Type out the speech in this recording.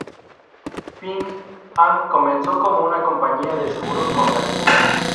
Ping An comenzó como una compañía de seguros contra accidentes.